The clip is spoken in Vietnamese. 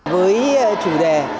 với chủ đề